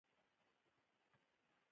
دوی ماته د ټوپک د چلولو چل را زده کړ